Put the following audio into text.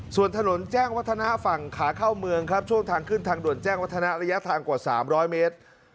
ส่วนถนนแจ้งวัฒนะฝั่งขาเข้าเมืองครับช่วงทางขึ้นทางด่วนแจ้งวัฒนะระยะทางกว่า๓๐๐เมตร